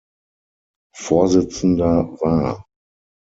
Vorsitzender war.